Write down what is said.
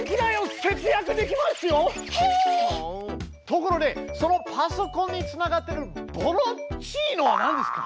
ところでそのパソコンにつながってるボロっちいのはなんですか？